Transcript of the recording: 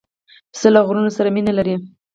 پسه له غرونو سره مینه لري.